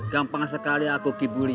gampang sekali aku kibuli